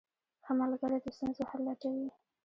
ښه ملګری د ستونزو حل لټوي.